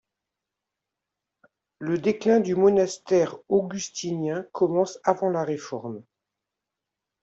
Le déclin du monastère augustinien commence avant la Réforme.